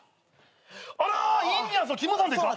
あらインディアンスのきむさんでっか？